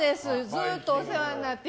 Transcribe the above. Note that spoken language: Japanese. ずっとお世話になって。